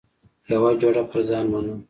یوه جوړه پر ځان منم.